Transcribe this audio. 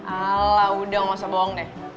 alah udah gak usah bohong deh